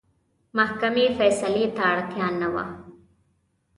محکمې فیصلې ته اړتیا نه وه.